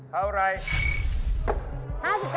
เข้าไหน